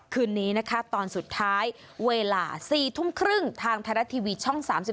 คืนนี้นะคะตอนสุดท้ายเวลา๔ทุ่มครึ่งทางไทยรัฐทีวีช่อง๓๒